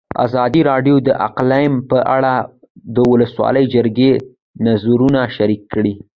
ازادي راډیو د اقلیم په اړه د ولسي جرګې نظرونه شریک کړي.